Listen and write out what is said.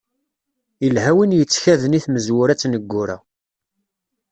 Ilha win yettkaden i tmezwura d tneggura.